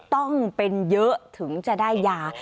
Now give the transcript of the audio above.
ต้องเป็นเยอะถึงจะได้ยา